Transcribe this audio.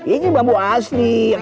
ini bambu asli